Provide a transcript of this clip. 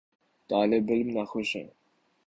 طالب علم ناخوش ہیں۔